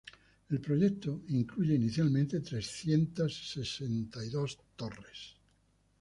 el proyecto incluye inicialmente trescientas sesenta y dos torres